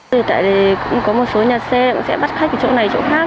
hiện tại thì cũng có một số nhà xe sẽ bắt khách ở chỗ này chỗ khác